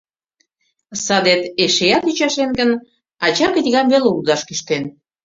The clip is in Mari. Садет эшеат ӱчашен гын, ача книгам веле лудаш кӱштен.